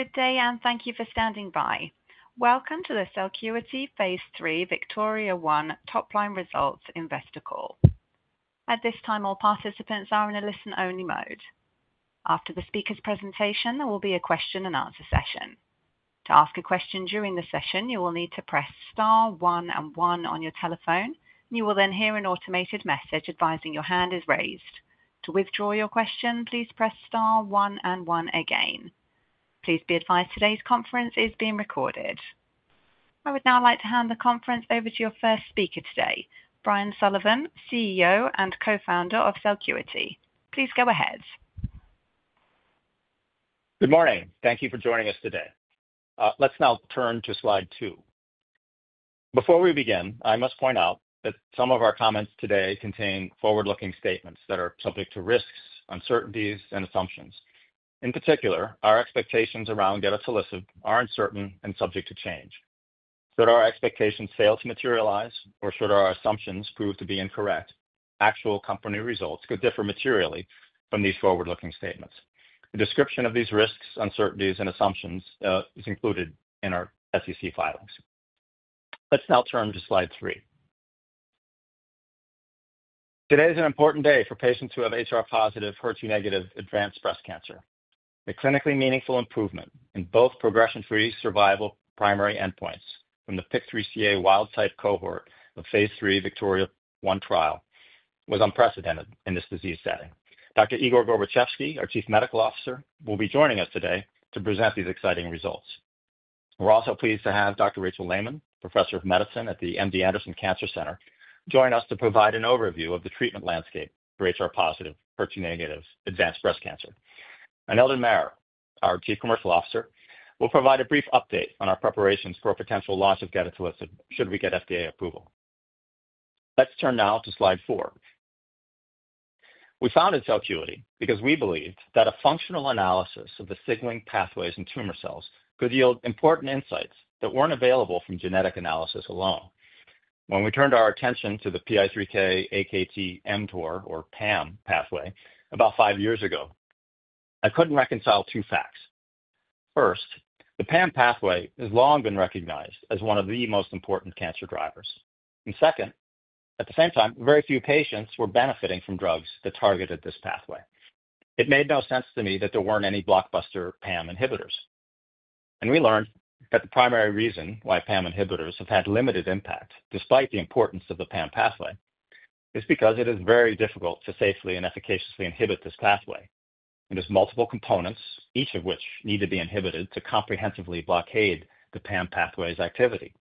Good day and thank you for standing by. Welcome to the Celcuity Phase 3 VIKTORIA-1 Topline results investor call. At this time, all participants are in a listen-only mode. After the speaker's presentation, there will be a question and answer session. To ask a question during the session, you will need to press star one and one on your telephone. You will then hear an automated message advising your hand is raised. To withdraw your question, please press star one and one again. Please be advised today's conference is being recorded. I would now like to hand the conference over to your first speaker today, Brian Sullivan, CEO and Co-Founder of Celcuity. Please go ahead. Good morning. Thank you for joining us today. Let's now turn to slide two. Before we begin, I must point out that some of our comments today contain forward-looking statements that are subject to risks, uncertainties, and assumptions. In particular, our expectations around gedatolisib are uncertain and subject to change. Should our expectations fail to materialize or should our assumptions prove to be incorrect, actual company results could differ materially from these forward-looking statements. The description of these risks, uncertainties, and assumptions is included in our SEC filings. Let's now turn to slide 3. Today is an important day for patients who have HR positive HER2 negative advanced breast cancer. The clinically meaningful improvement in both progression-free survival primary endpoints from the PIK3CA wild-type cohort of Phase 3 VIKTORIA-1 trial was unprecedented in this disease setting. Dr. Igor Gorbatchevsky, our Chief Medical Officer, will be joining us today to present these exciting results. We're also pleased to have Dr. Rachel Layman, Professor of Medicine at the MD Anderson Cancer Center, join us to provide an overview of the treatment landscape for HR positive HER2 negative advanced breast cancer, and Eldon Mayer, our Chief Commercial Officer, will provide a brief update on our preparations for a potential launch of gedatolisib should we get FDA approval. Let's turn now to slide four. We founded Celcuity because we believed that a functional analysis of the signaling pathways in tumor cells could yield important insights that weren't available from genetic analysis alone. When we turned our attention to the PI3K AKT mTOR or PAM pathway about five years ago, I couldn't reconcile two facts. First, the PAM pathway has long been recognized as one of the most important cancer drivers. At the same time, very few patients were benefiting from drugs that targeted this pathway. It made no sense to me that there weren't any blockbuster PAM inhibitors. We learned that the primary reason why PAM inhibitors have had limited impact despite the importance of the PAM pathway is because it is very difficult to safely and efficaciously inhibit this pathway and there's multiple components, each of which need to be inhibited to comprehensively blockade the PAM pathway's activity.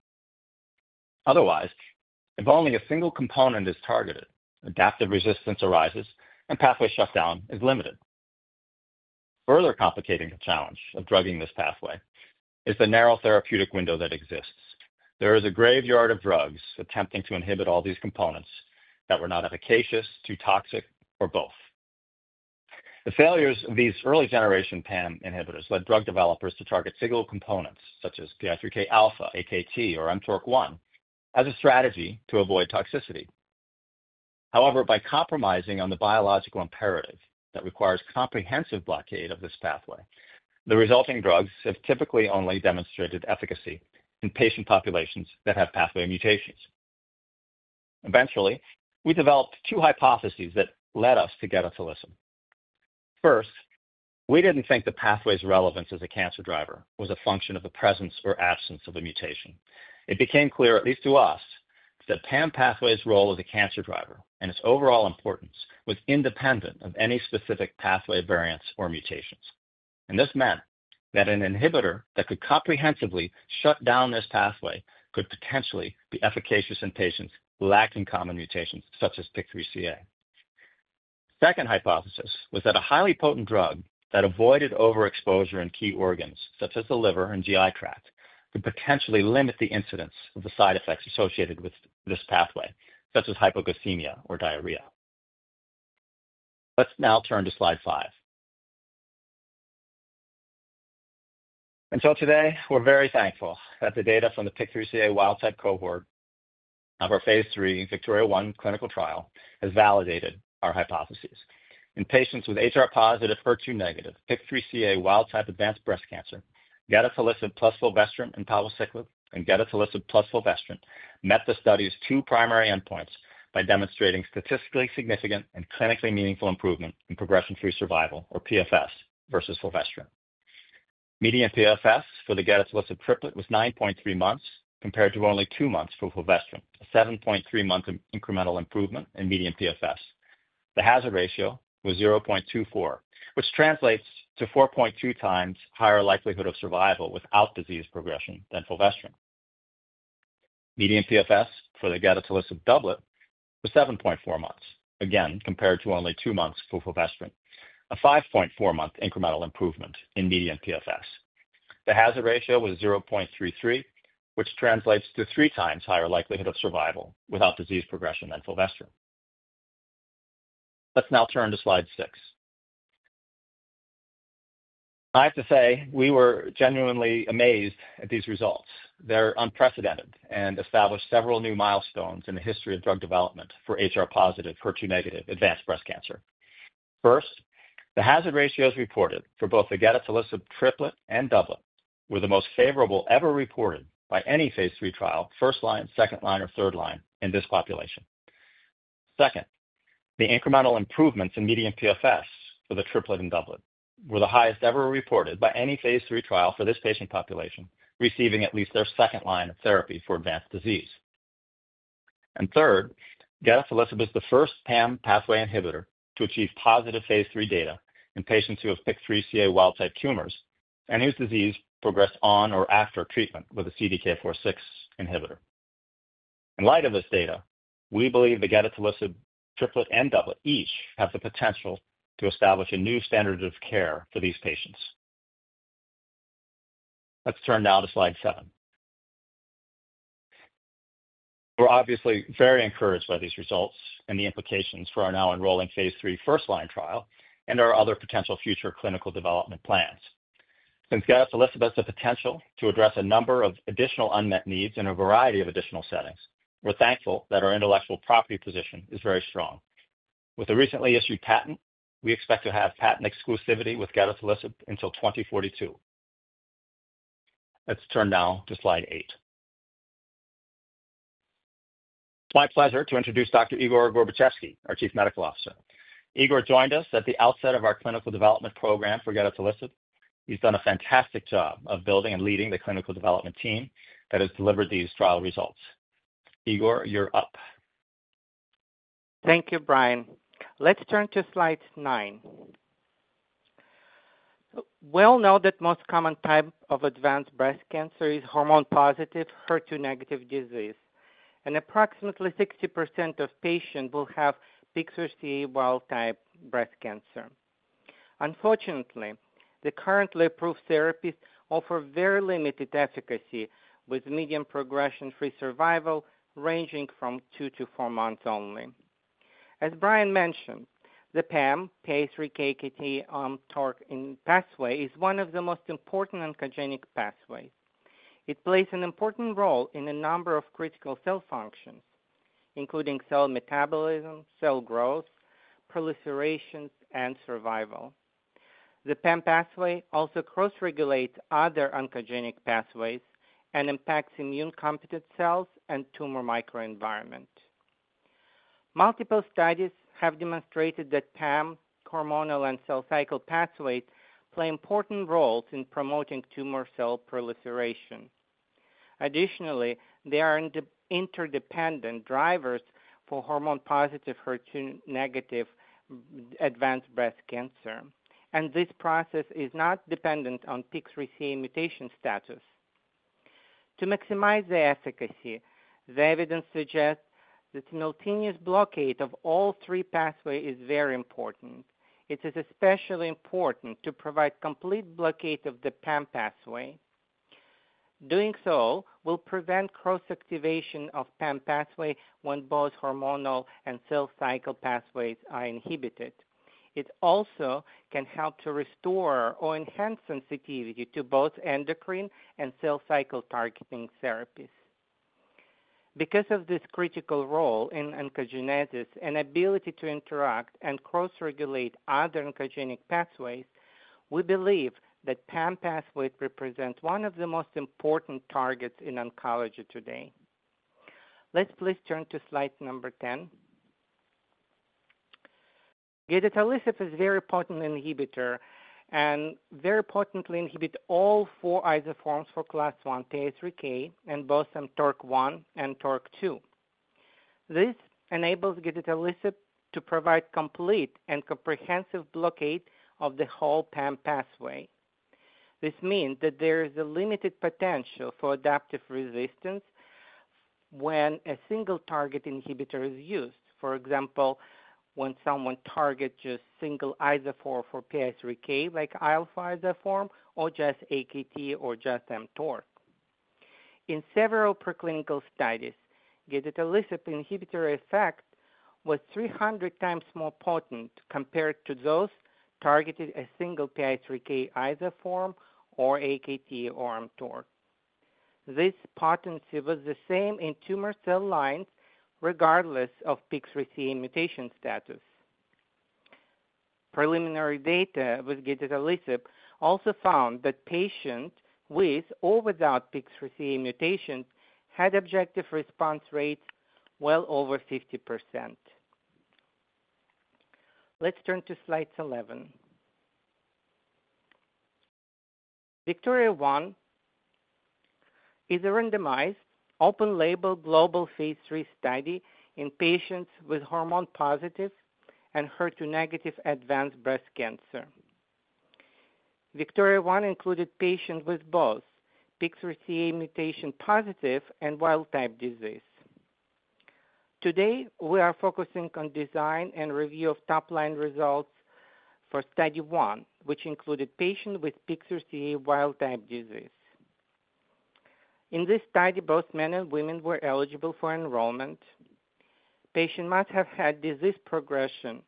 Otherwise, if only a single component is targeted, adaptive resistance arises and pathway shutdown is limited. Further complicating the challenge of drugging this pathway is the narrow therapeutic window that exists. There is a graveyard of drugs attempting to inhibit all these components that were not efficacious, too toxic, or both. The failures of these early generation PAM pathway inhibitors led drug developers to target single components such as PI3K alpha, AKT, or mTORC1 as a strategy to avoid toxicity. However, by compromising on the biological imperative that requires comprehensive blockade of this pathway, the resulting drugs have typically only demonstrated efficacy in patient populations that have pathway mutations. Eventually, we developed two hypotheses that led us to gedatolisib. First, we didn't think the pathway's relevance as a cancer driver was a function of the presence or absence of a mutation. It became clear, at least to us, that the PAM pathway's role as a cancer driver and its overall importance was independent of any specific pathway variants or mutations, and this meant that an inhibitor that could comprehensively shut down this pathway could potentially be efficacious in patients lacking common mutations such as PIK3CA. The second hypothesis was that a highly potent drug that avoided overexposure in key organs such as the liver and GI tract could potentially limit the incidence of the side effects associated with this pathway, such as hyperglycemia or diarrhea. Let's now turn to Slide 5. Until today, we're very thankful that the data from the PIK3CA wild-type cohort of our Phase 3 VIKTORIA-1 clinical trial has validated our hypotheses in patients with HR positive, HER2 negative, PIK3CA wild-type advanced breast cancer. Gedatolisib plus fulvestrant and palbociclib, and gedatolisib plus fulvestrant, met the study's two primary endpoints by demonstrating statistically significant and clinically meaningful improvement in progression-free survival, or PFS, versus fulvestrant. Median PFS for the gedatolisib triplet was 9.3 months compared to only 2 months for fulvestrant, a 7.3 month incremental improvement in median PFS. The hazard ratio was 0.24, which translates to 4.2x higher likelihood of survival without disease progression than fulvestrant. Median PFS for the gedatolisib doublet was 7.4 months, again compared to only 2 months for fulvestrant, a 5.4 month incremental improvement in median PFS. The hazard ratio was 0.33, which translates to 3x higher likelihood of survival without disease progression than fulvestrant. Let's now turn to slide. I have to say we were genuinely amazed at these results. They're unprecedented and established several new milestones in the history of drug development for HR positive HER2 negative advanced breast cancer. First, the hazard ratios reported for both the gedatolisib triplet and doublet were the most favorable ever reported by any Phase III trial, first line, second line, or third line in this population. Second, the incremental improvements in median PFS for the triplet and doublet were the highest ever reported by any Phase III trial for this patient population receiving at least their second line of therapy for advanced disease. Third, gedatolisib is the first PAM pathway inhibitor to achieve positive Phase III data in patients who have PIK3CA wild-type tumors and whose disease progressed on or after treatment with a CDK4/6 inhibitor. In light of this data, we believe the gedatolisib triplet and doublet each have the potential to establish a new standard of care for these patients. Let's turn now to slide seven. We're obviously very encouraged by these results and the implications for our now enrolling Phase III first line trial and our other potential future clinical development plans. Since gedatolisib has the potential to address a number of additional unmet needs in a variety of additional settings, we're thankful that our intellectual property position is very strong. With a recently issued patent, we expect to have patent exclusivity with gedatolisib until 2042. Let's turn now to slide eight. It's my pleasure to introduce Dr. Igor Gorbatchevsky, our Chief Medical Officer. Igor joined us at the outset of our clinical development program for gedatolisib. He's done a fantastic job of building and leading the clinical development team that has delivered these trial results. Igor, you're up. Thank you, Brian. Let's turn to slide nine. We all know that the most common type of advanced breast cancer is hormone receptor positive HER2 negative disease, and approximately 60% of patients will have PIK3CA wild-type breast cancer. Unfortunately, the currently approved therapies offer very limited efficacy, with median progression-free survival ranging from 2 to 4 months only. As Brian mentioned, the PAM PI3K/AKT/mTOR pathway is one of the most important oncogenic pathways. It plays an important role in a number of critical cell functions, including cell metabolism, cell growth, proliferation, and survival. The PAM pathway also cross-regulates other oncogenic pathways and impacts immune competent cells and the tumor microenvironment. Multiple studies have demonstrated that PAM, hormonal, and cell cycle pathways play important roles in promoting tumor cell proliferation. Additionally, they are interdependent drivers for hormone receptor positive HER2 negative advanced breast cancer, and this process is not dependent on PIK3CA mutation status to maximize the efficacy. The evidence suggests that simultaneous blockade of all three pathways is very important. It is especially important to provide complete blockade of the PAM pathway. Doing so will prevent cross-activation of the PAM pathway when both hormonal and cell cycle pathways are inhibited. It also can help to restore or enhance sensitivity to both endocrine and cell cycle targeting therapies. Because of this critical role in oncogenesis and ability to interact and cross-regulate other oncogenic pathways, we believe that the PAM pathway represents one of the most important targets in oncology today. Let's please turn to slide number 10. Gedatolisib is a very potent inhibitor and very potently inhibits all four isoforms of class I PI3K and both mTORC1 and mTORC2. This enables gedatolisib to provide complete and comprehensive blockade of the whole PAM pathway. This means that there is a limited potential for adaptive resistance when a single target inhibitor is used. For example, when someone targets just a single isoform of PI3K, like the alpha isoform, or just AKT, or just mTOR. In several preclinical studies, gedatolisib inhibitor effect was 300x more potent compared to those targeting a single PI3K isoform or AKT or mTOR. This potency was the same in tumor cell lines regardless of PIK3CA mutation status. Preliminary data with gedatolisib also found that patients with or without PIK3CA mutations had objective response rates well over 50%. Let's turn to slide 11. VIKTORIA-1 is a randomized open-label global Phase III study in patients with hormone receptor positive and HER2 negative advanced breast cancer. VIKTORIA-1 included patients with both PIK3CA mutation positive and wild-type disease. Today we are focusing on design and review of top-line results for Study 1 which included patients with PIK3CA wild-type disease. In this study, both men and women were eligible for enrollment. Patients must have had disease progression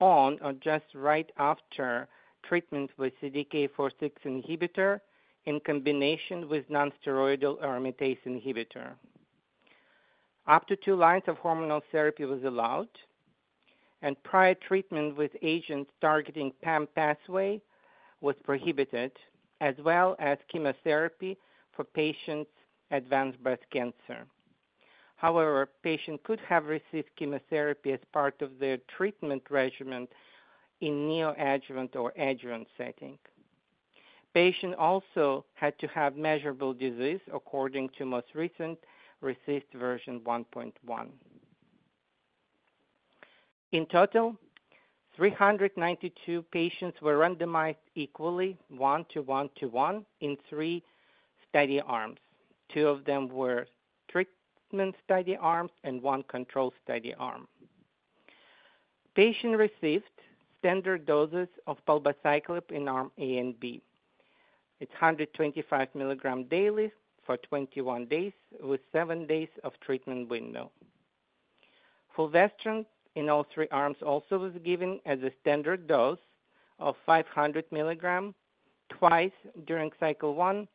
on or just right after treatment with a CDK4/6 inhibitor in combination with a non-steroidal aromatase inhibitor. Up to two lines of hormonal therapy was allowed and prior treatment with agents targeting the PAM pathway was prohibited as well as chemotherapy for patients' advanced breast cancer. However, patients could have received chemotherapy as part of their treatment regimen in neoadjuvant or adjuvant setting. Patients also had to have measurable disease according to the most recent RECIST version 1.1. In total, 392 patients were randomized equally 1:1:1 in three study arms. Two of them were treatment study arms and one control study arm. Patients received standard doses of palbociclib. In Arm A and B it's 125 mg daily for 21 days with seven days of treatment window. Fulvestrant in all three arms also was given as a standard dose of 500 mg twice during cycle one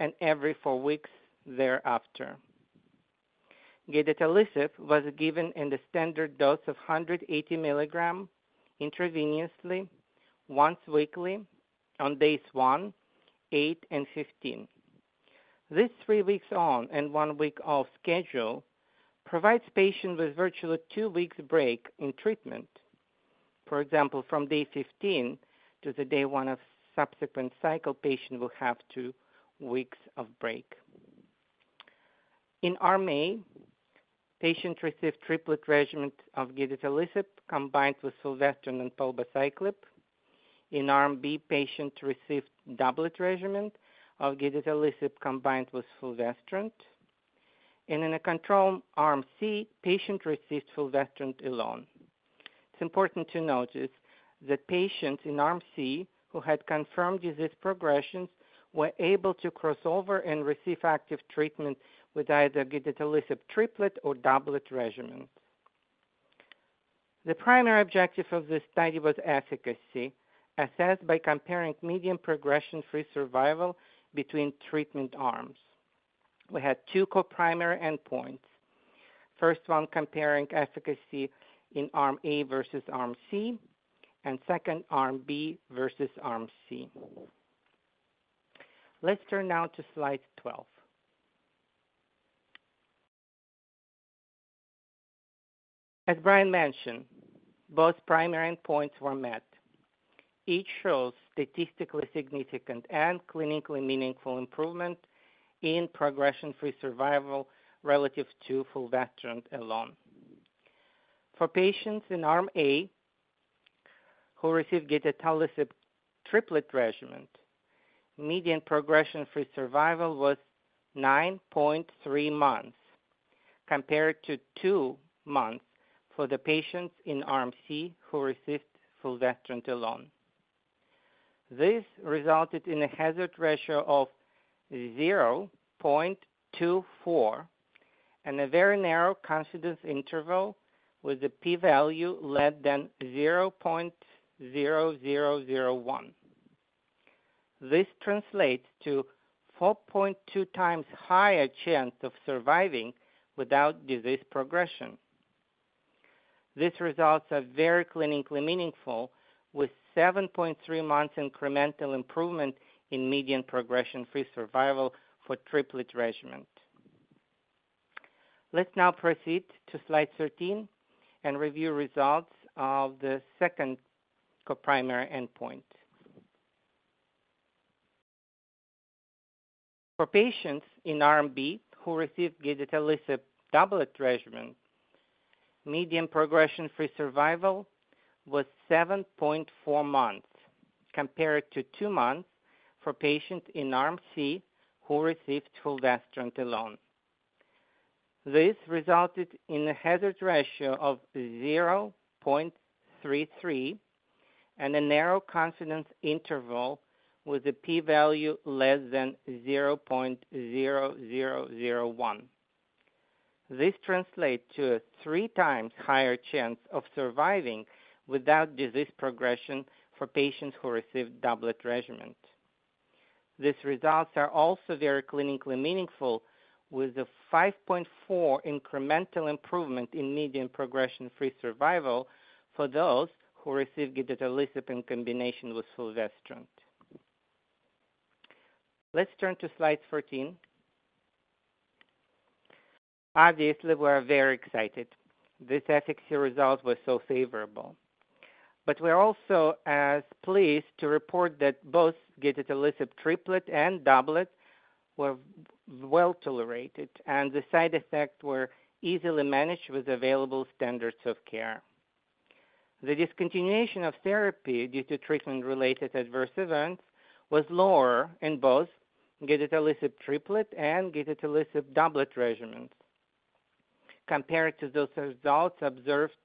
and every four weeks thereafter. Gedatolisib was given in the standard dose of 180 mg intravenously once weekly on days one, eight, and 15. This three weeks on and one week off schedule provides patients with virtually two weeks break in treatment. For example, from day 15 to the day one of subsequent cycle, patients will have two weeks of break. In Arm A, patients received triplet regimen of gedatolisib combined with fulvestrant and palbociclib. In Arm B, patients received doublet regimen of gedatolisib combined with fulvestrant and in control Arm C, patients received fulvestrant alone. It's important to notice that patients in Arm C who had confirmed disease progression were able to cross over and receive active treatment with either gedatolisib triplet or doublet regimen. The primary objective of this study was efficacy assessed by comparing median progression-free survival between treatment arms. We had two co-primary endpoints, first one comparing efficacy in Arm A versus Arm C and second Arm B versus Arm C. Let's turn now to slide 12. As Brian mentioned, both primary endpoints were met. Each shows statistically significant and clinically meaningful improvement in progression-free survival relative to fulvestrant alone. For patients in arm A who received gedatolisib triplet regimen, median progression-free survival was 9.3 months compared to 2 months for the patients in arm C who received fulvestrant alone. This resulted in a hazard ratio of 0.24 and a very narrow confidence interval with a p value less than 0.0001. This translates to 4.2x higher chance of surviving without disease progression. These results are very clinically meaningful with 7.3 months incremental improvement in median progression-free survival for triplet regimen. Let's now proceed to Slide 13 and review results of the second coprimary endpoint. For patients in arm B who received gedatolisib doublet regimen, median progression-free survival was 7.4 months compared to 2 months for patients in arm C who received fulvestrant alone. This resulted in a hazard ratio of 0.33 and a narrow confidence interval with a p value less than 0.0001. This translates to a 3x higher chance of surviving without disease progression for patients who received doublet regimen. These results are also very clinically meaningful with a 5.4 months incremental improvement in median progression-free survival for those who receive gedatolisib in combination with fulvestrant. Let's turn to Slide 14. Obviously we are very excited this efficacy result was so favorable, but we're also as pleased to report that both gedatolisib triplet and doublet were well tolerated and the side effects were easily managed with available standards of care. The discontinuation of therapy due to treatment-related adverse events was lower in both gedatolisib triplet and gedatolisib doublet regimens compared to those results observed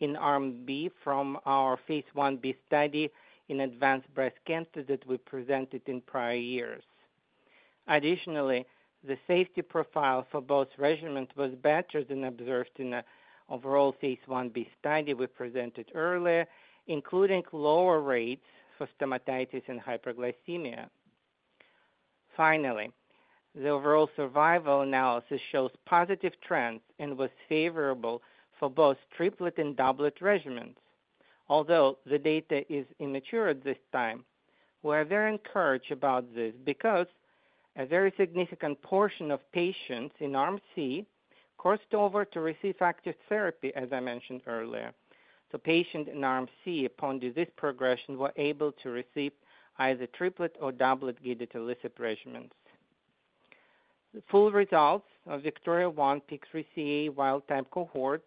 in arm B from our Phase 1b study in advanced breast cancer that we presented in prior years. Additionally, the safety profile for both regimens was better than observed in the overall Phase 1b study we presented earlier, including lower rates for stomatitis and hyperglycemia. Finally, the overall survival analysis shows positive trends and was favorable for both triplet and doublet regimens. Although the data is immature at this time, we are very encouraged about this because a very significant portion of patients in arm C crossed over to receive active therapy as I mentioned earlier. Patients in arm C upon disease progression were able to receive either triplet or doublet gedatolisib regimens. The full results of VIKTORIA-1 PIK3CA wild-type cohort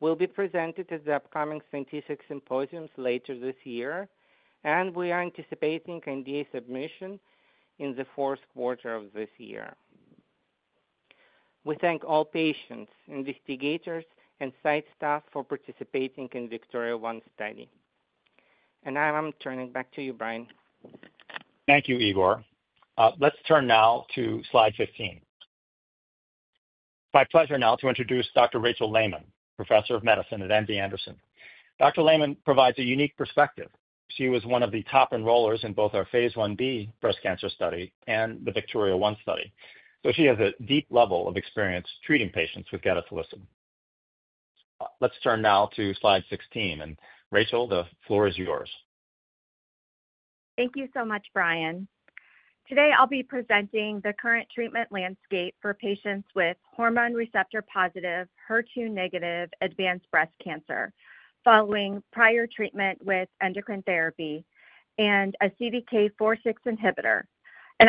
will be presented at the upcoming scientific symposiums later this year, and we are anticipating NDA submission in the fourth quarter of this year. We thank all patients, investigators, and site staff for participating in VIKTORIA-1 study. Now I'm turning back to you, Brian. Thank you, Igor. Let's turn now to slide 15. My pleasure now to introduce Dr. Rachel Layman, Professor of Medicine at MD Anderson. Dr. Layman provides a unique perspective. She was one of the top enrollers in both our Phase 1b breast cancer study and the VIKTORIA-1 study, so she has a deep level of experience treating patients with gedatolisib. Let's turn now to slide 16, and Rachel, the floor is yours. Thank you so much, Brian. Today I'll be presenting the current treatment landscape for patients with hormone receptor positive, HER2 negative advanced breast cancer following prior treatment with endocrine therapy and a CDK4/6 inhibitor.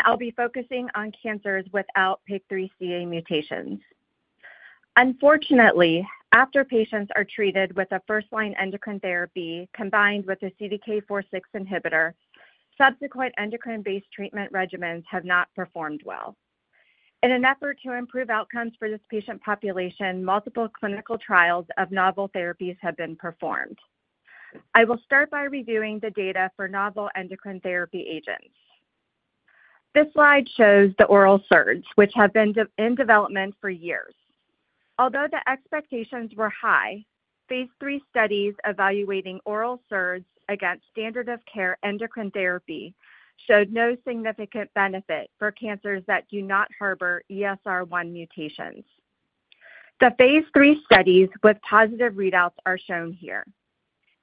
I'll be focusing on cancers without PIK3CA mutations. Unfortunately, after patients are treated with a first-line endocrine therapy combined with a CDK4/6 inhibitor, subsequent endocrine-based treatment regimens have not performed well. In an effort to improve outcomes for this patient population, multiple clinical trials of novel therapies have been performed. I will start by reviewing the data for novel endocrine therapy agents. This slide shows the oral SERDs which have been in development for years. Although the expectations were high, Phase III studies evaluating oral SERDs against standard of care endocrine therapy showed no significant benefit for cancers that do not harbor ESR1 mutations. The Phase III studies with positive readouts are shown here.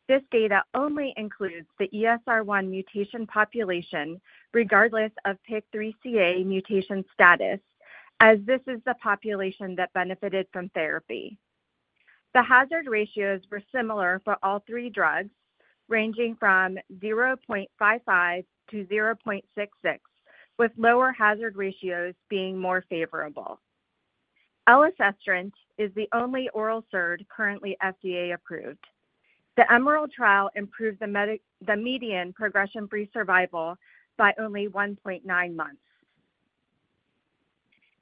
This data only includes the ESR1 mutation population regardless of PIK3CA mutation study status, as this is the population that benefited from therapy. The hazard ratios were similar for all three drugs, ranging from 0.55 to 0.66, with lower hazard ratios being more favorable. Elacestrant is the only oral SERD currently FDA approved. The EMERALD trial improved the median progression-free survival by only 1.9 months.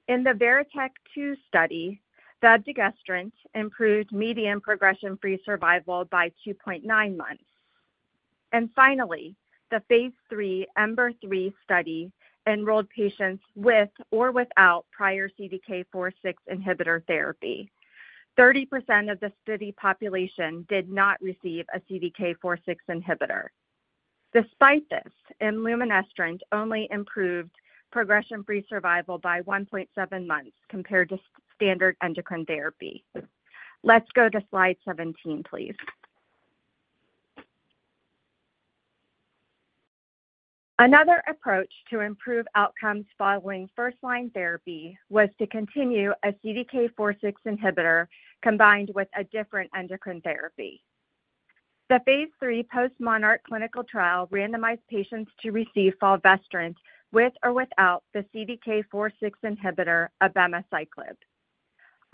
In the VERITAC-2 study, camizestrant improved median progression-free survival by 2.9 months, and finally, the Phase III EMBER-3 study enrolled patients with or without prior CDK4/6 inhibitor therapy. 30% of the study population did not receive a CDK4/6 inhibitor. Despite this, imlunestrant only improved progression-free survival by 1.7 months compared to standard endocrine therapy. Let's go to slide 17, please. Another approach to improve outcomes following first-line therapy was to continue a CDK4/6 inhibitor combined with a different endocrine therapy. The Phase III postMONARCH clinical trial randomized patients to receive fulvestrant with or without the CDK4/6 inhibitor abemaciclib.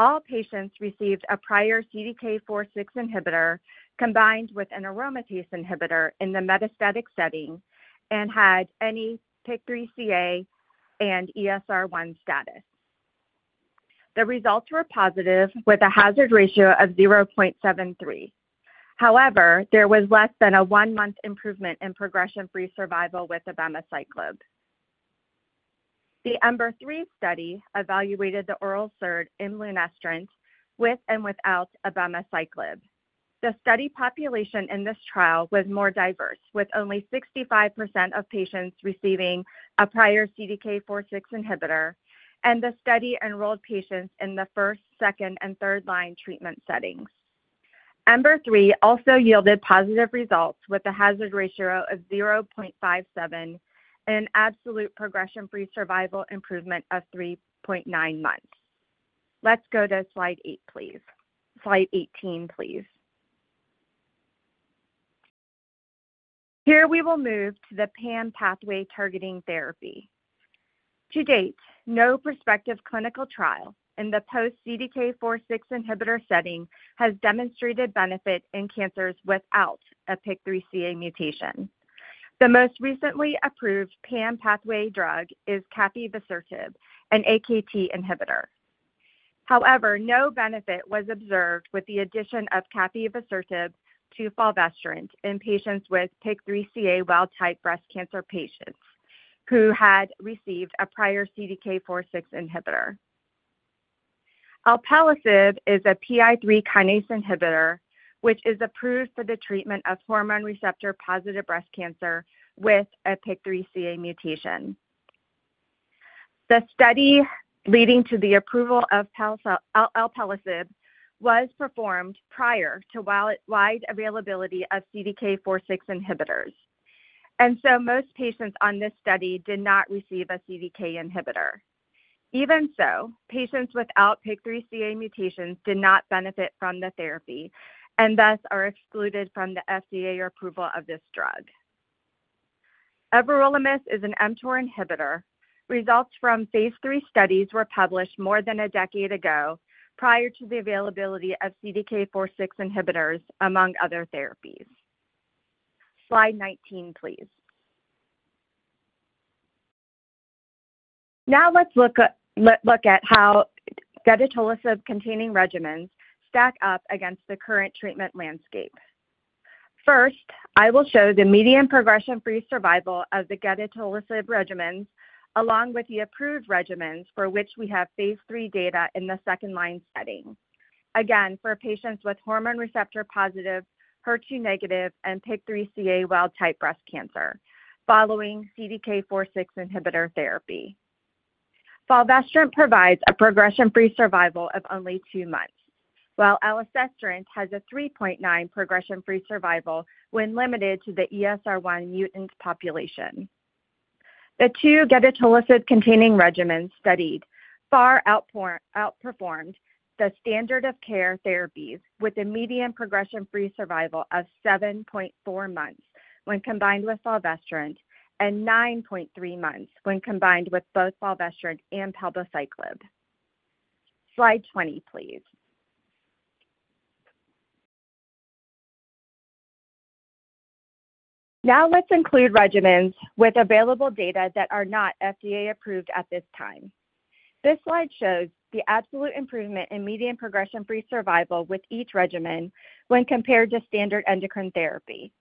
All patients received a prior CDK4/6 inhibitor combined with an aromatase inhibitor in the metastatic setting and had any PIK3CA and ESR1 status. The results were positive with a hazard ratio of 0.73. However, there was less than a one-month improvement in progression-free survival with abemaciclib. The EMBER-3 study evaluated the oral SERD imlunestrant with and without abemaciclib. The study population in this trial was more diverse with only 65% of patients receiving a prior CDK4/6 inhibitor, and the study enrolled patients in the first, second, and third-line treatment settings. EMBER-3 also yielded positive results with a hazard ratio of 0.57 and absolute progression-free survival improvement of 3.9 months. Let's go to slide eight please. Slide 18 please. Here we will move to the PAM pathway targeting therapy. To date, no prospective clinical trial in the post-CDK4/6 inhibitor setting has demonstrated benefit in cancers without a PIK3CA mutation. The most recently approved PAM pathway drug is capivasertib, an AKT inhibitor. However, no benefit was observed with the addition of capivasertib to fulvestrant in patients with PIK3CA wild-type breast cancer who had received a prior CDK4/6 inhibitor. Alpelisib is a PI3K inhibitor which is approved for the treatment of hormone receptor positive breast cancer with a PIK3CA mutation. The study leading to the approval of alpelisib was performed prior to wide availability of CDK4/6 inhibitors, and so most patients on this study did not receive a CDK4/6 inhibitor. Even so, patients without PIK3CA mutations did not benefit from the therapy and thus are excluded from the FDA approval of this drug. Everolimus is an mTOR inhibitor. Results from Phase III studies were published more than a decade ago prior to the availability of CDK4/6 inhibitors among other therapies. Slide 19 please. Now let's look at how gedatolisib-containing regimens stack up against the current treatment landscape. First, I will show the median progression-free survival of the gedatolisib regimens along with the approved regimens for which we have Phase III data in the second-line setting. Again, for patients with hormone receptor positive, HER2 negative, and PIK3CA wild-type breast cancer following CDK4/6 inhibitor therapy. Fulvestrant provides a progression-free survival of only 2 months, while elacestrant has a 3.9 month progression-free survival when limited to the ESR1 mutant population. The two gedatolisib-containing regimens studied far outperformed the standard of care therapies with a median progression-free survival of 7.4 months when combined with fulvestrant and 9.3 months when combined with both fulvestrant and palbociclib. Slide 20 please. Now let's include regimens with available data that are not FDA approved at this time. This slide shows the absolute improvement in median progression-free survival with each regimen when compared to standard endocrine therapy.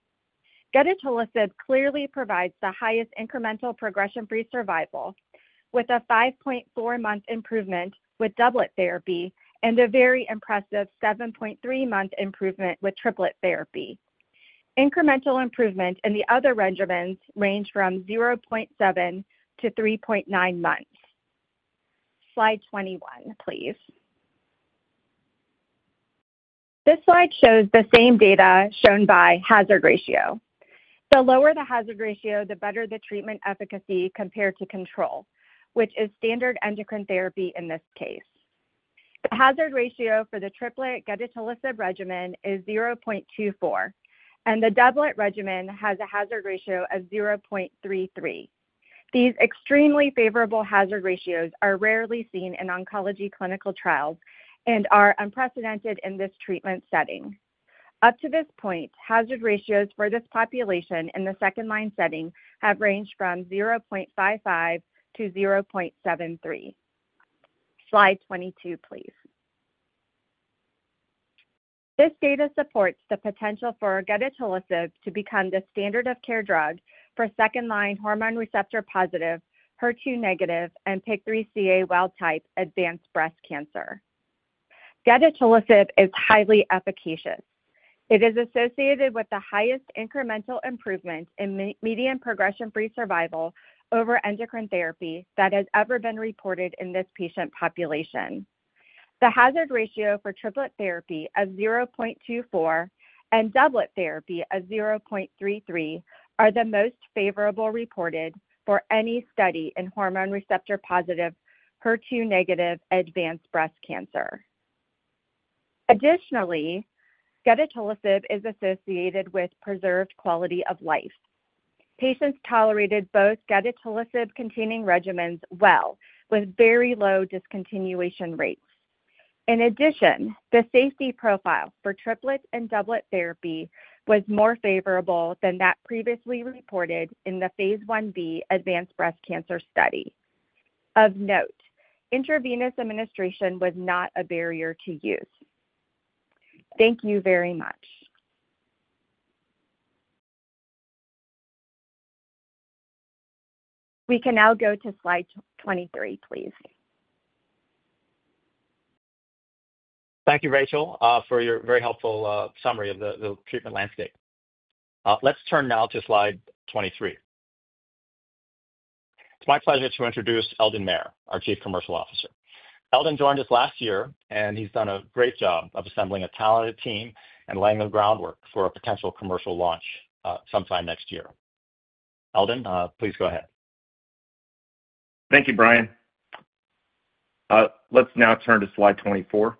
Gedatolisib clearly provides the highest incremental progression-free survival with a 5.4 month improvement with doublet therapy and a very impressive 7.3 month improvement with triplet therapy. Incremental improvement in the other regimens range from 0.7 to 3.9 months. Slide 21 please. This slide shows the same data shown by hazard ratio. The lower the hazard ratio, the better the treatment efficacy compared to control, which is standard endocrine therapy. In this case, the hazard ratio for the triplet gedatolisib regimen is 0.24 and the doublet regimen has a hazard ratio of 0.33. These extremely favorable hazard ratios are rarely seen in oncology clinical trials and are unprecedented in this treatment setting. Up to this point, hazard ratios for this population in the second-line setting have ranged from 0.55 to 0.73. Slide 22 please. This data supports the potential for gedatolisib to become the standard of care drug for second-line hormone receptor positive HER2 negative and PIK3CA wild-type advanced breast cancer. Gedatolisib is highly efficacious. It is associated with the highest incremental improvement in median progression-free survival over endocrine therapy that has ever been reported in this patient population. The hazard ratio for triplet therapy of 0.24 and doublet therapy of 0.33 are the most favorable reported for any study in hormone receptor positive HER2 negative advanced breast cancer. Additionally, gedatolisib is associated with preserved quality of life. Patients tolerated both gedatolisib containing regimens well with very low discontinuation rates. In addition, the safety profile for triplet and doublet therapy was more favorable than that previously reported in the Phase 1B advanced breast cancer study. Of note, intravenous administration was not a barrier to use. Thank you very much. We can now go to slide 23 please. Thank you, Rachel, for your very helpful summary of the treatment landscape. Let's turn now to slide 23. It's my pleasure to introduce Eldon Mayer, our Chief Commercial Officer. Eldon joined us last year, and he's done a great job of assembling a talented team and laying the groundwork for a potential commercial launch sometime next year. Eldon, please go ahead. Thank you, Brian. Let's now turn to slide 24.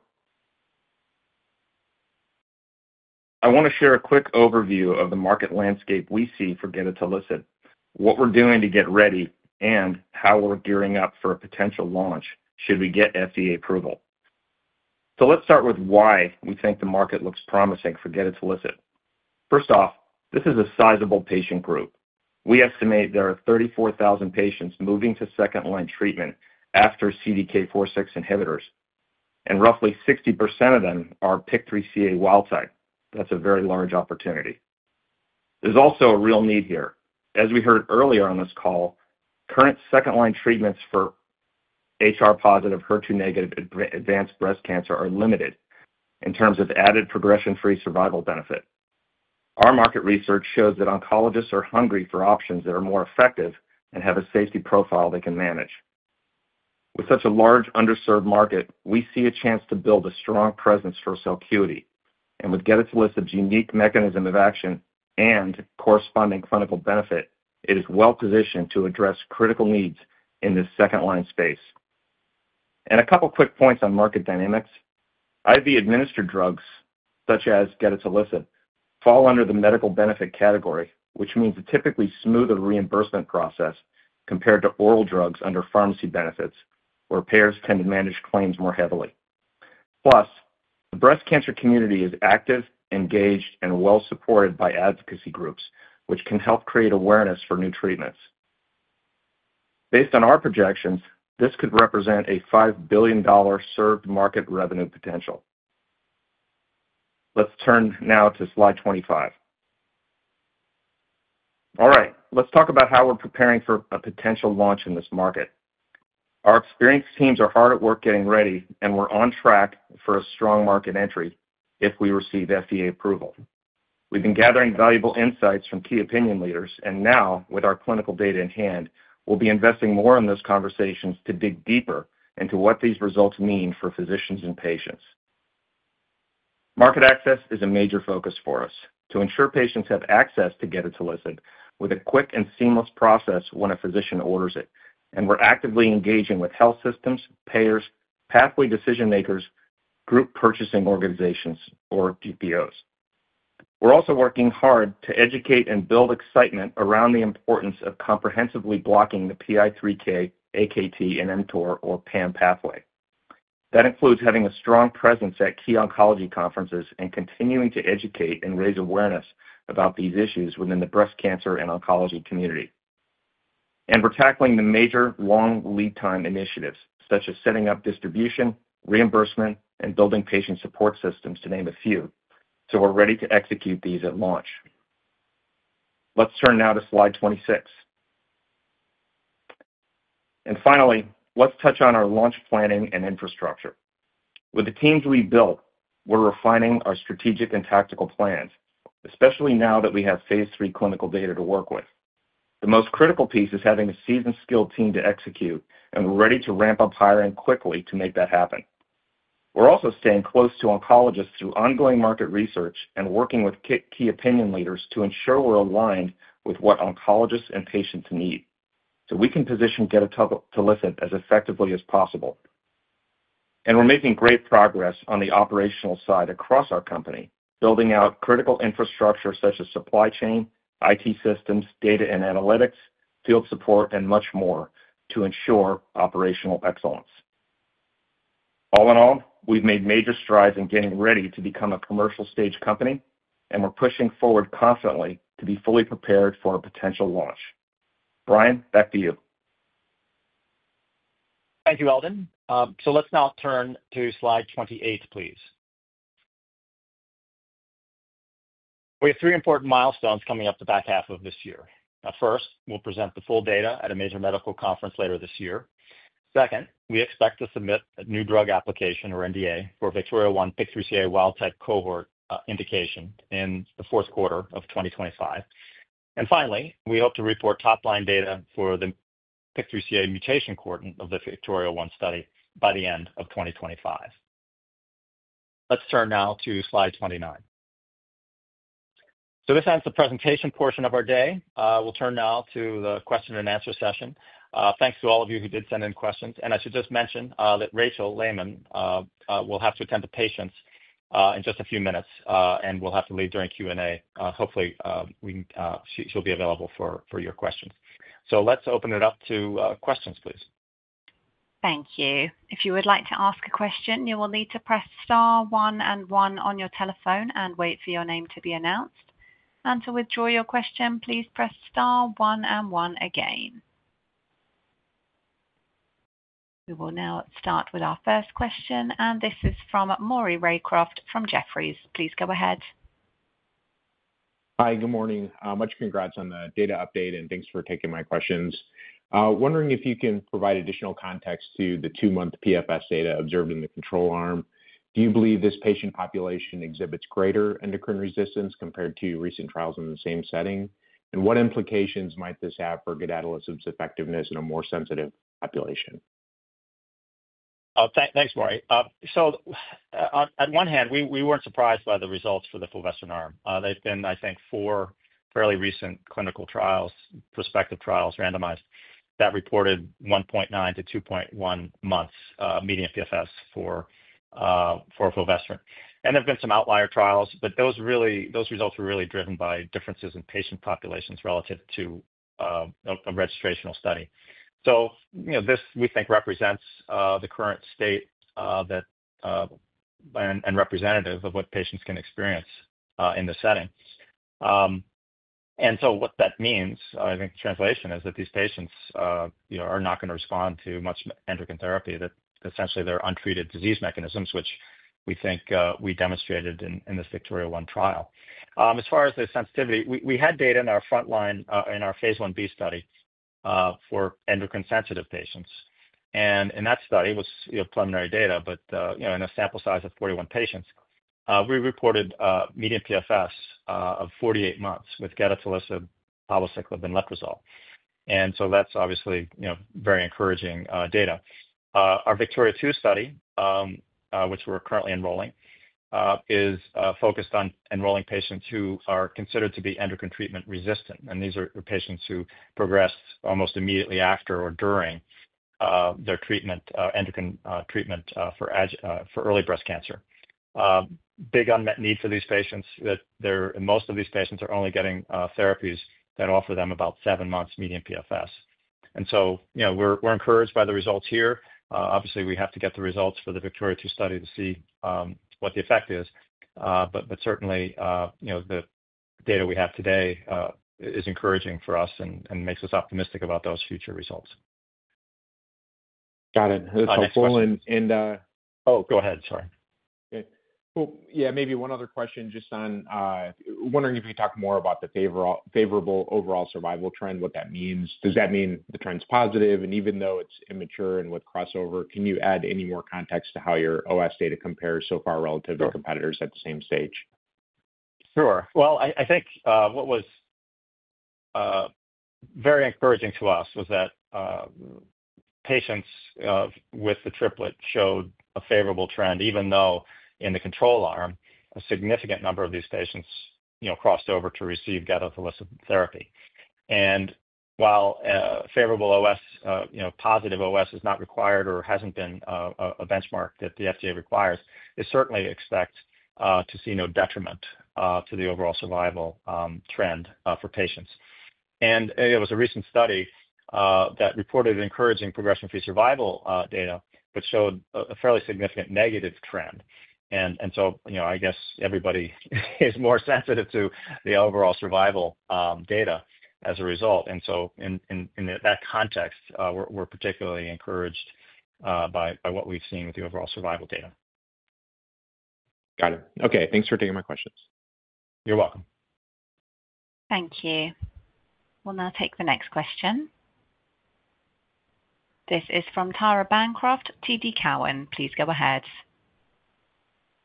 I want to share a quick overview of the market landscape we see for gedatolisib, what we're doing to get ready, and how we're gearing up for a potential launch should we get FDA approval. Let's start with why we think the market looks promising for gedatolisib. First off, this is a sizable patient group. We estimate there are 34,000 patients moving to second-line treatment after CDK4/6 inhibitors, and roughly 60% of them are PIK3CA wild-type. That's a very large opportunity. There's also a real need here. As we heard earlier on this call, current second-line treatments for HR positive, HER2 negative advanced breast cancer are limited in terms of added progression-free survival benefit. Our market research shows that oncologists are hungry for options that are more effective and have a safety profile they can manage. With such a large underserved market, we see a chance to build a strong presence for Celcuity, and with gedatolisib's unique mechanism of action and corresponding clinical benefit, it is well positioned to address critical needs in this second-line space. A couple quick points on market dynamics. IV administered drugs such as gedatolisib fall under the medical benefit category, which means a typically smoother reimbursement process compared to oral drugs under pharmacy benefits, where payers tend to manage claims more heavily. Plus, the breast cancer community is active, engaged, and well supported by advocacy groups, which can help create awareness for new treatments. Based on our projections, this could represent a $5 billion served market revenue potential. Let's turn now to slide 25. All right, let's talk about how we're preparing for a potential launch in this market. Our experienced teams are hard at work getting ready, and we're on track for a strong market entry if we receive FDA approval. We've been gathering valuable insights from key opinion leaders, and now with our clinical data in hand, we'll be investing more in those conversations to dig deeper into what these results mean for physicians and patients. Market access is a major focus for us to ensure patients have access to gedatolisib with a quick and seamless process when a physician orders it. We're actively engaging with health systems, payers, pathway decision makers, group purchasing organizations, or GPOs. We're also working hard to educate and build excitement around the importance of comprehensively blocking the PI3K, AKT and mTOR or PAM pathway. That includes having a strong presence at key oncology conferences and continuing to educate and raise awareness about these issues within the breast cancer and oncology community. We're tackling the major long lead time initiatives such as setting up distribution, reimbursement and building patient support systems to name a few. We're ready to execute these at launch. Let's turn now to slide 26 and finally let's touch on our launch planning and infrastructure. With the teams we built, we're refining our strategic and tactical plans, especially now that we have Phase III clinical data to work with. The most critical piece is having a seasoned skilled team to execute and ready to ramp up, hiring quickly to make that happen. We're also staying close to oncologists through ongoing market research and working with key opinion leaders to ensure we're aligned with what oncologists and patients need so we can position gedatolisib as effectively as possible. We're making great progress on the operational side across our company, building out critical infrastructure such as supply chain, IT systems, data and analytics, field support, and much more to ensure operational excellence. All in all, we've made major strides in getting ready to become a commercial stage company and we're pushing forward constantly to be fully prepared for a potential launch. Brian, back to you. Thank you, Eldon. Let's now turn to Slide 28, please. We have three important milestones coming up the back half of this year. First, we'll present the full data at a major medical conference later this year. Second, we expect to submit a new drug application, or NDA, for VIKTORIA-1 PIK3CA wild-type cohort indication in the fourth quarter of 2025. Finally, we hope to report top-line data for the PIK3CA mutation cohort of the VIKTORIA-1 study by the end of 2025. Let's turn now to Slide 29. This ends the presentation portion of our day. We'll turn now to the question and answer session. Thanks to all of you who did send in questions. I should just mention that Dr. Rachel Layman will have to attend to patients in just a few minutes and will have to leave during Q&A. Hopefully she'll be available for your questions. Let's open it up to questions, please. Thank you. If you would like to ask a question, you will need to press star one and one on your telephone and wait for your name to be announced. To withdraw your question, please press star one and one again. We will now start with our first question, and this is from Maury Raycroft from Jefferies. Please go ahead. Hi, good morning. Much congrats on the data update and thanks for taking my questions. Wondering if you can provide additional context to the 2 month PFS data observed in the control arm. Do you believe this patient population exhibits greater endocrine resistance compared to recent trials. In the same setting? What implications might this have for gedatolisib's effectiveness in a more sensitive population? Thanks, Maury. On one hand, we weren't surprised by the results for the fulvestrant arm. There have been, I think, four fairly recent clinical trials, prospective trials, randomized, that reported 1.9 to 2.1 months median PFS for fulvestrant. There have been some outlier trials, but those results were really driven by differences in patient populations relative to a registrational study. This, we think, represents the current state and is representative of what patients can experience in the setting. What that means, I think, in translation, is that these patients are not going to respond to much endocrine therapy, that essentially they're untreated disease mechanisms, which we think we demonstrated in this VIKTORIA-1 trial. As far as the sensitivity, we had data in our frontline, in our Phase 1b study for endocrine sensitive patients, and in that study it was preliminary data. In a sample size of 41 patients, we reported median PFS of 48 months with gedatolisib, palbociclib, and letrozole. That's obviously very encouraging data. Our VIKTORIA-2 study, which we're currently enrolling, is focused on enrolling patients who are considered to be endocrine treatment resistant. These are patients who progress almost immediately after or during their endocrine treatment for early breast cancer. Big unmet need for these patients. Most of these patients are only getting therapies that offer them about seven months median PFS. We're encouraged by the results here. Obviously, we have to get the results for the VIKTORIA-2 study to see what the effect is. Certainly, the data we have today is encouraging for us and makes us optimistic about those future results. Got it. That's helpful. Go ahead. Sorry. Yeah. Maybe one other question, just on wondering if you could talk more about the favorable overall survival trend, what that means. Does that mean the trend's positive and even though it's immature and with crossover, can you add any more context to how your OS data compares so far relative to competitors at the same stage? Sure. I think what was very encouraging to us was that patients with the triplet showed a favorable trend, even though in the control arm, a significant number of these patients crossed over to receive gedatolisib therapy. While favorable OS, you know, positive OS is not required or hasn't been a benchmark that the FDA requires, they certainly expect to see no detriment to the overall survival trend for patients. There was a recent study that reported encouraging progression-free survival data but showed a fairly significant negative trend. I guess everybody is more sensitive to the overall survival data as a result. In that context we're particularly encouraged by what we've seen with the overall survival data. Got it. Okay. Thanks for taking my questions. You're welcome. Thank you. We'll now take the next question. This is from Tara Bancroft, TD Cowen. Please go ahead.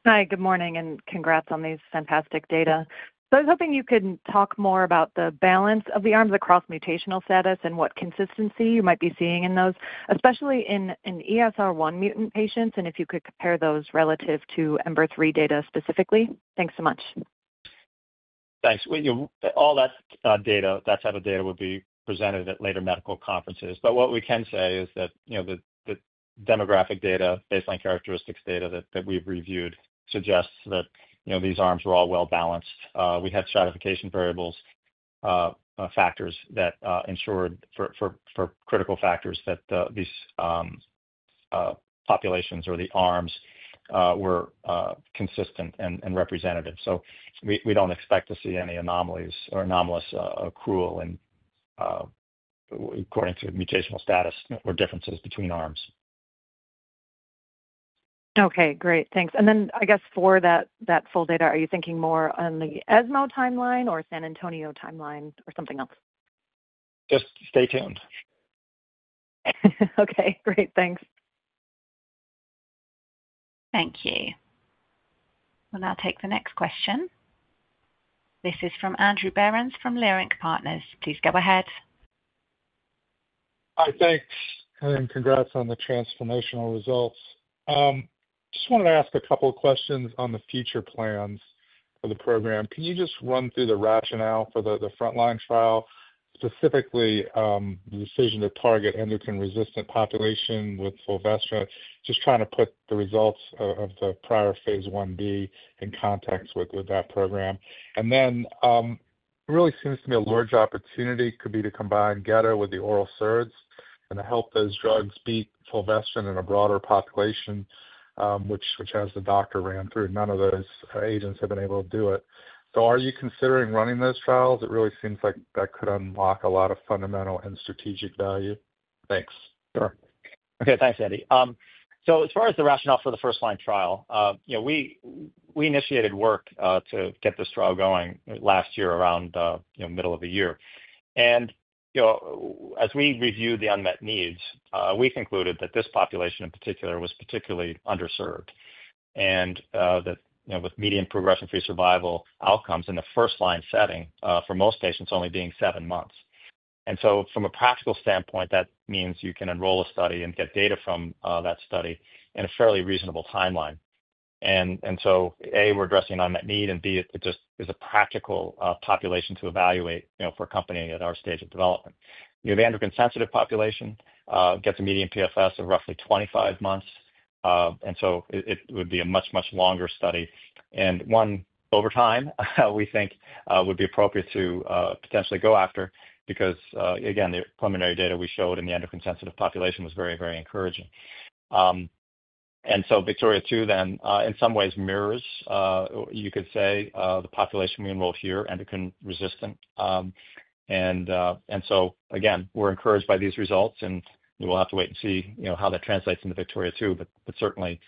Hi, good morning and congrats on these fantastic data. I was hoping you could talk more about the balance of the arms across mutational status and what consistency you might be seeing in those, especially in ESR1 mutant patients. If you could compare those relative to EMBER3 data specifically. Thanks so much. Thanks. All that data, that type of data would be presented at later medical conferences. What we can say is that, you know, the demographic data, baseline characteristics data that we've reviewed suggests that, you know, these arms were all well balanced. We had stratification variables, factors that ensured for critical factors that these populations or the arms were consistent and representative. We don't expect to see any anomalies or anomalous accrual according to mutational status or differences between arms. Okay, great, thanks. I guess for that full data, are you thinking more on the ESMO timeline or San Antonio timeline or something else? Just stay tuned. Okay, great, thanks. Thank you. We'll now take the next question. This is from Andrew Berens from Leerink Partners. Please go ahead. Hi, thanks. Congratulations on the transformational results. Just wanted to ask a couple of questions. Questions on the future plans for the program. Can you just run through the rationale for the frontline trial? Specifically, the decision to target endocrine resistant population. With fulvestrant, just trying to put the results of the prior Phase 1b in context with that program, and then it really seems to be a large opportunity could be to combine gedatolisib with the oral SERDs and to help those drugs beat fulvestrant in a broader population, which as the doctor ran through, none of those agents have been able to do it. Are you considering running those trials? It really seems like that could unlock a lot of fundamental and strategic value. Thanks. Sure. Okay, thanks Andy. As far as the rationale for the first-line trial, we initiated work to get this trial going last year, around the middle of the year. As we reviewed the unmet needs, we concluded that this population in particular was particularly underserved and that with median progression-free survival outcomes in the first-line setting for most patients only being 7 months. From a practical standpoint, that means you can enroll a study and get data from that study in a fairly reasonable timeline. We are addressing unmet need and it just is a practical population to evaluate. For a company at our stage of development, you have androgen-sensitive population gets a median PFS of roughly 25 months. It would be a much, much longer study. Over time we think it would be appropriate to potentially go after because again, the preliminary data we showed in the endocrine-sensitive population was very, very encouraging. VIKTORIA-2 then in some ways mirrors, you could say, the population we enrolled here, endocrine-resistant. We are encouraged by these results and we'll have to wait and see how that translates into VIKTORIA-2, but certainly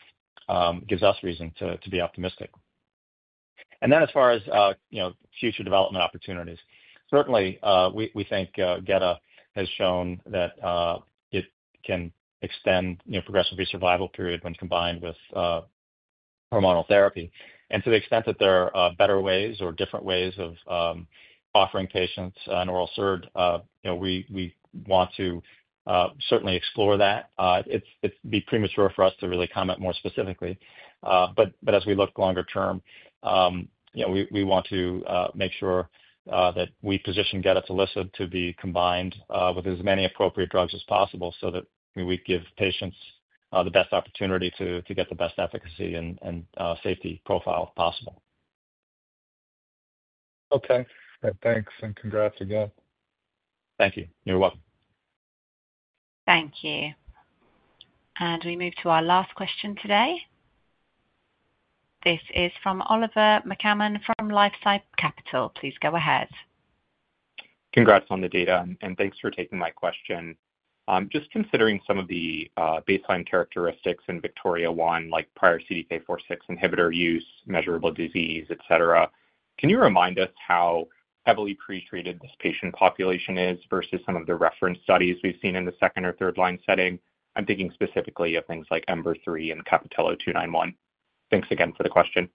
gives us reason to be optimistic. As far as future development opportunities, we think gedatolisib has shown that it can extend progression-free survival period when combined with hormonal therapy. To the extent that there are better ways or different ways of offering patients an oral SERD, we want to certainly explore that. It'd be premature for us to really comment more specifically, but as we look longer term, we want to make sure that we position gedatolisib to be combined with as many appropriate drugs as possible so that we give patients the best opportunity to get the best efficacy and safety profile possible. Okay, thanks and congrats again. Thank you. You're welcome. Thank you. We move to our last question today. This is from Oliver McCammon from LifeSci Capital. Please go ahead. Congrats on the data and thanks for taking my question. Just considering some of the baseline characteristics in VIKTORIA-1 like prior CDK4/6 inhibitor use, measurable disease, et cetera. Can you remind us how heavily pretreated this patient population is versus some of the reference studies we've seen in the second or third line setting? I'm thinking specifically of things like EMERALD and CAPItello-291. Thanks again for the question.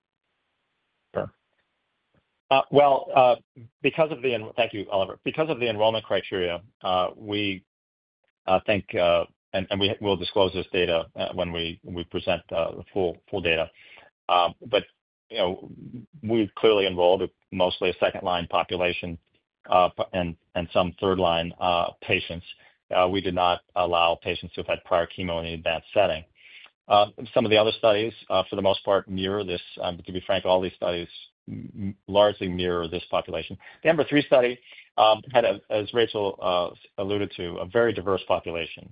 Thank you, Oliver. Because of the enrollment criteria, we think, and we will disclose this data when we present the full data, but we've clearly enrolled mostly a second-line population and some third-line patients. We did not allow patients who had prior chemo in an advanced setting. Some of the other studies for the most part mirror this. To be frank, all these studies largely mirror this population. The number three study had, as Rachel alluded to, a very diverse population.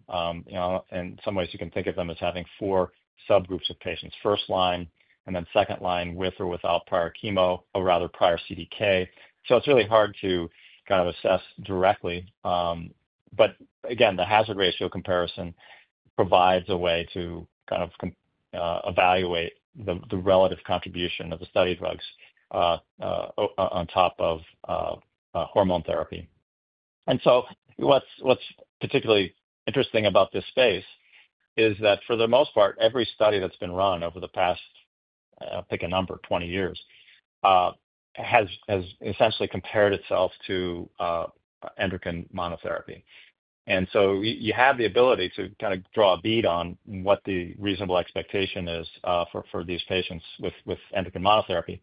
In some ways you can think of them as having four subgroups of patients, first line and then second line with or without prior chemo or rather prior CDK. It's really hard to kind of assess directly. Again, the hazard ratio comparison provides a way to kind of evaluate the relative contribution of the study drugs on top of hormone therapy. What's particularly interesting about this space is that for the most part, every study that's been run over the past, pick a number, 20 years, has essentially compared itself to endocrine monotherapy. You have the ability to kind of draw a bead on what the reasonable expectation is for these patients with endocrine monotherapy.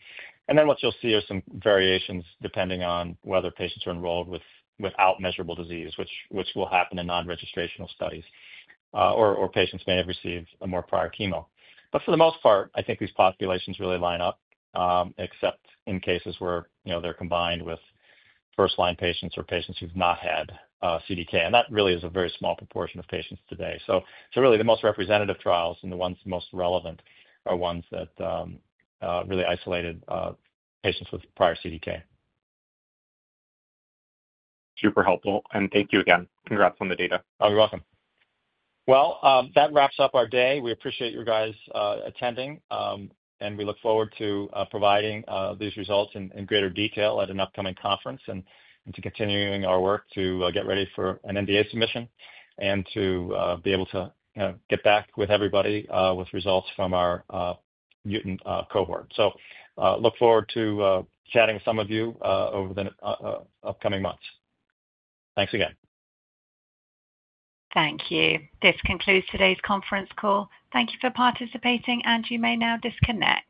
Then what you'll see are some variations depending on whether patients are enrolled without measurable disease, which will happen in non-registrational studies, or patients may have received more prior chemo. For the most part, I think these populations really line up, except in cases where they're combined with first-line patients or patients who've not had CDK. That really is a very small proportion of patients today. The most representative trials and the ones most relevant are ones that really isolated patients with prior CDK. Super helpful, and thank you again. Congrats on the data. Oh, you're welcome. That wraps up our day. We appreciate you guys attending, and we look forward to providing these results in greater detail at an upcoming conference and to continuing our work to get ready for an NDA submission and to be able to get back with everybody with results from our mutant cohort. Look forward to chatting with some of you over the upcoming months. Thanks again. Thank you. This concludes today's conference call. Thank you for participating, and you may now disconnect.